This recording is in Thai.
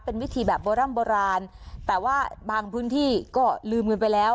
เป็นวิธีแบบโบร่ำโบราณแต่ว่าบางพื้นที่ก็ลืมกันไปแล้ว